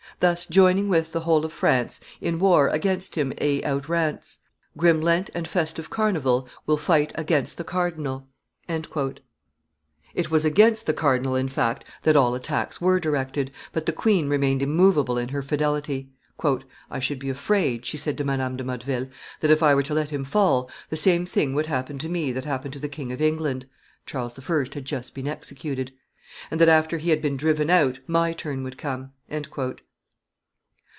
Thus, joining with the whole of France In war against him a outrance, Grim Lent and festive Carnival, Will fight against the cardinal." It was against the cardinal, in fact, that all attacks were directed, but the queen remained immovable in her fidelity. "I should be afraid," she said to Madame de Motteville, "that, if I were to let him fall, the same thing would happen to me that happened to the King of England (Charles I. had just been executed), and that, after he had been driven out, my turn would come."